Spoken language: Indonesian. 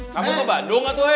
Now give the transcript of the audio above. kamu ke bandung kah tuh hei